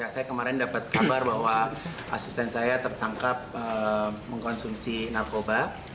saya kemarin dapat kabar bahwa asisten saya tertangkap mengkonsumsi narkoba